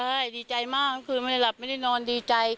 ดีใจมากก็คือไม่ได้หลับไม่ได้นอนดีใจ